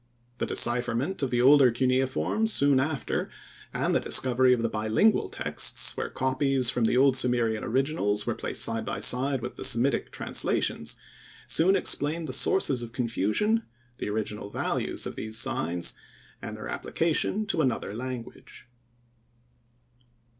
The decipherment of the older cuneiform soon after, and the discovery of the bilingual texts, where copies from the old Sumerian originals were placed side by side with the Semitic translations, soon explained the sources of confusion, the original values of these signs and their application to another language.